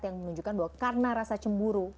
yang menunjukkan bahwa karena rasa cemburu